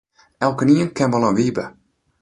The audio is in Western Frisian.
Elkenien ken wol in Wybe.